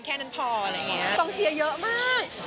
แค่นั้นพอมีกรองเชียร์เยอะมาก